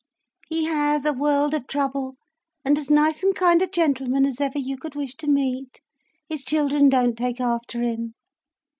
"He has, a world of trouble. And as nice and kind a gentleman as ever you could wish to meet. His children don't take after him."